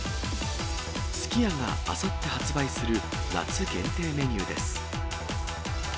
すき家があさって発売する夏限定メニューです。